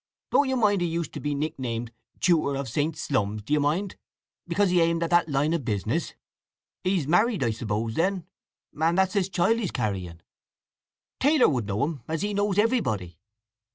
Don't you mind he used to be nicknamed Tutor of St. Slums, d'ye mind?—because he aimed at that line o' business? He's married, I suppose, then, and that's his child he's carrying. Taylor would know him, as he knows everybody."